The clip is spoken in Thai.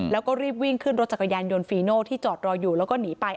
แล้วก็รีบวิ่งขึ้นรถจักรยานยนต์ฟีโน่ที่จอดรออยู่แล้วก็หนีไป